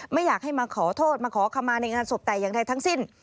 ไม่อยากให้มาขอโทษมาขอขมาในงานศพแต่อย่างใดทั้งสิ้น